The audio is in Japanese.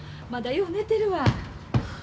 まだよう寝てるわ。